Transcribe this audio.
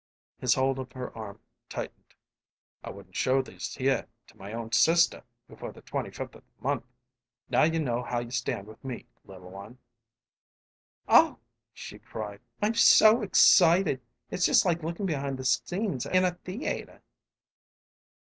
His hold of her arm tightened. "I wouldn't show these here to my own sister before the twenty fifth of the month. Now you know how you stand with me, little one." "Oh," she cried, "I'm so excited! It's just like lookin' behind the scenes in a theayter."